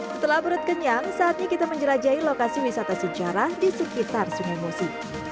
setelah perut kenyang saatnya kita menjelajahi lokasi wisata sejarah di sekitar sungai musi